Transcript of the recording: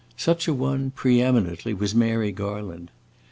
Such a one preeminently, was Mary Garland.